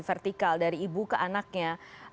vertikal dari ibu ke anaknya